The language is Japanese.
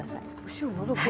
後ろのぞく。